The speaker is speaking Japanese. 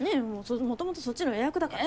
もともとそっちの予約だからさ。